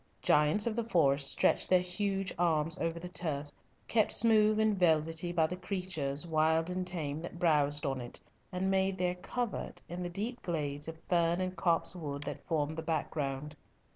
Giants of the forest stretched their huge arms over the turf, kept smooth and velvety by the creatures, wild and tame, that browsed on it, and made their covert in the deep glades of fern and copse wood that formed the background.